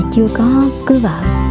chưa có cưới vợ